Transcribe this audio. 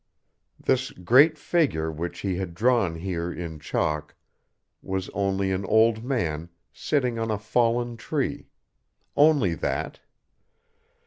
This great figure which he had drawn here in chalk was only an old man sitting on a fallen tree only that.